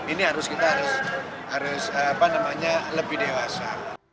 ini harus kita lebih dewasa